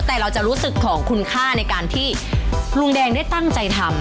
แต่เราจะรู้สึกของคุณค่าในการที่ลุงแดงได้ตั้งใจทำ